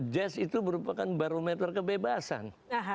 jazz itu merupakan barometer kebebasan